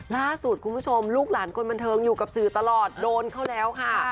ล่าสุดคุณผู้ชมลูกหลานคนบันเทิงอยู่กับสื่อตลอดโดนเขาแล้วค่ะ